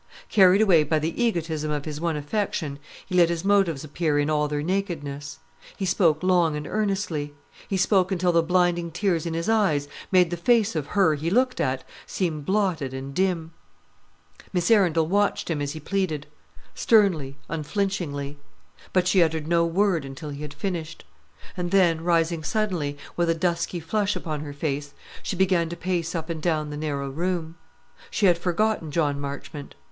Carried away by the egotism of his one affection, he let his motives appear in all their nakedness. He spoke long and earnestly; he spoke until the blinding tears in his eyes made the face of her he looked at seem blotted and dim. Miss Arundel watched him as he pleaded; sternly, unflinchingly. But she uttered no word until he had finished; and then, rising suddenly, with a dusky flush upon her face, she began to pace up and down the narrow room. She had forgotten John Marchmont.